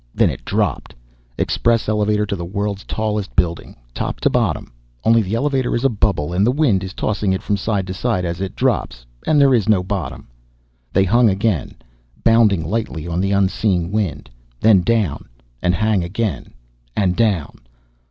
Then it dropped. Express elevator in the world's tallest building, top to bottom only the elevator is a bubble and the wind is tossing it from side to side as it drops and there is no bottom. They hung again, bounding lightly on the unseen wind. Then down. And hang again. And down.